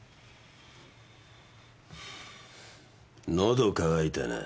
のど渇いたな。